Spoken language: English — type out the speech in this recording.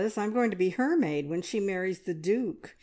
I am going to be her maid when she marries the duke.